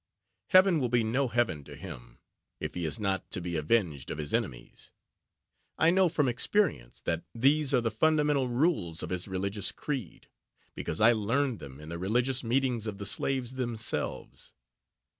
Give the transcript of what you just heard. Heaven will be no heaven to him, if he is not to be avenged of his enemies. I know, from experience, that these are the fundamental rules of his religious creed; because I learned them in the religious meetings of the slaves themselves.